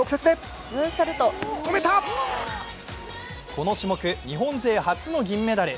この種目、日本勢初の銀メダル。